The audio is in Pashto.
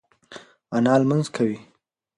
انا لمونځ کوي.